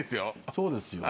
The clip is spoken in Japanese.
そうですね。